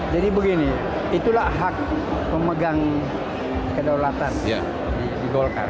jadi begini itulah hak pemegang kedaulatan di golkar